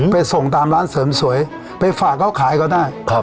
ไปส่งตามร้านเสริมสวยไปฝากเขาขายก็ได้ครับ